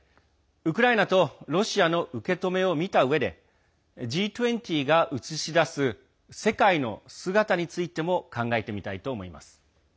ウクライナとロシアの受け止めを見たうえでＧ２０が映し出す世界の姿についても考えてみたいと思います。